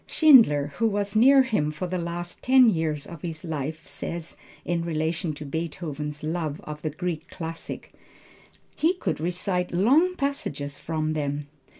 Schindler, who was near him for the last ten years of his life says in relation to Beethoven's love of the Greek classics. "He could recite long passages from them.